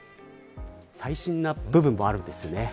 最新な部分もあるんですね。